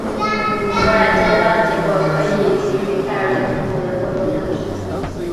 此外诊断结果可以给予胎儿的父母人工流产的选择。